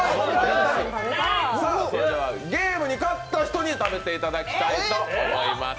それではゲームに勝った人に食べていただきたいと思います。